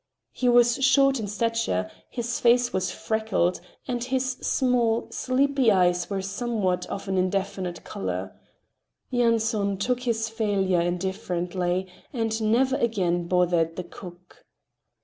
He was short in stature, his face was freckled, and his small, sleepy eyes were somewhat of an indefinite color. Yanson took his failure indifferently, and never again bothered the cook.